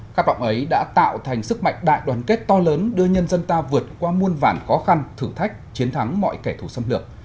khát vọng ấy đã tạo thành sức mạnh đại đoàn kết to lớn đưa nhân dân ta vượt qua muôn vản khó khăn thử thách chiến thắng mọi kẻ thù xâm lược